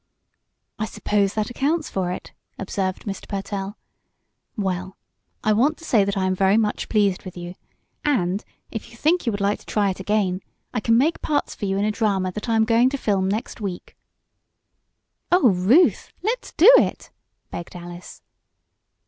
"I suppose that accounts for it," observed Mr. Pertell. "Well, I want to say that I am very much pleased with you, and, if you think you would like to try it again, I can make parts for you in a drama that I am going to film next week." "Oh, Ruth! Let's do it!" begged Alice.